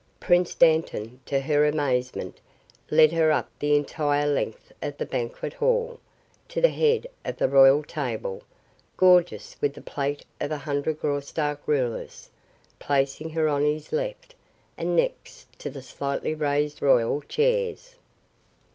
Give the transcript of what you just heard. Prince Dantan, to her amazement, led her up the entire length of the banquet hall, to the head of the royal table, gorgeous with the plate of a hundred Graustark rulers, placing her on his left and next to the slightly raised royal chairs.